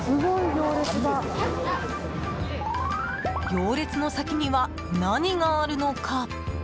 行列の先には何があるのか？